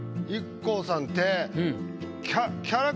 ＩＫＫＯさんって。